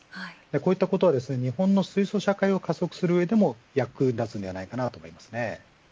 こういったことは日本の水素社会を加速する上でも役立つのではないかと思います。